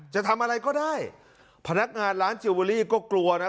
จะทำอะไรก็ได้พนักงานร้านจิลเวอรี่ก็กลัวนะ